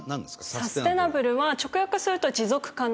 サステナブルは直訳すると持続可能。